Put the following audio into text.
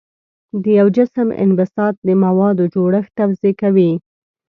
د یو جسم انبساط د موادو جوړښت توضیح کوي.